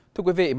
thưa quý vị